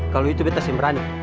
kalau itu betas yang berani